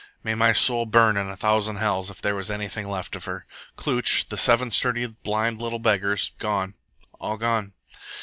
"May my soul burn in a thousand hells if there was anything left of her! Klooch, the seven sturdy, blind little beggars gone, all gone.